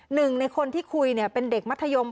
หนึ่งในคนที่คุยเป็นเด็กมัธยม